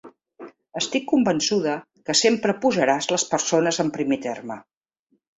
Estic convençuda que sempre posaràs les persones en primer terme.